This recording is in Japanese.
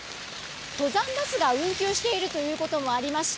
登山バスが運休しているということもありまして